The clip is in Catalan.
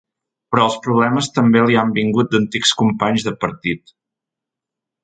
Però els problemes també li han vingut d’antics companys de partit.